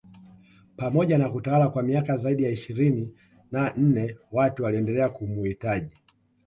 Pamoja na kutawala kwa miaka zaidi ya ishirini na nne watu waliendelea kumuhitaji